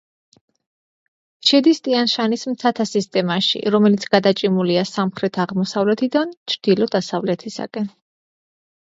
შედის ტიან-შანის მთათა სისტემაში, რომელიც გადაჭიმულია სამხრეთ-აღმოსავლეთიდან ჩრდილო-დასავლეთისაკენ.